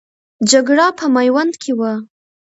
جګړه په میوند کې وه.